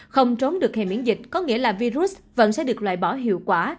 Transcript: không trốn được hè miễn dịch có nghĩa là virus vẫn sẽ được loại bỏ hiệu quả